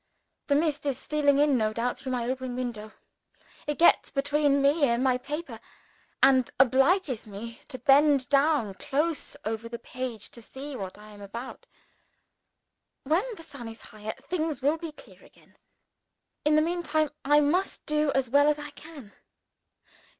The mist is stealing in no doubt through my open window. It gets between me and my paper, and obliges me to bend down close over the page to see what I am about. When the sun is higher, things will be clear again. In the meantime, I must do as well as I can.